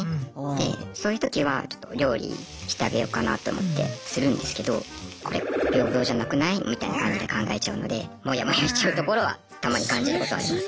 でそういう時はちょっと料理してあげようかなと思ってするんですけどみたいな感じで考えちゃうのでモヤモヤしちゃうところはたまに感じることありますね。